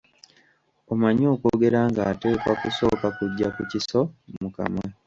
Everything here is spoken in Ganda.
Omanyi okwogera ng'ateekwa kusooka kuggya kiso mu kamwa.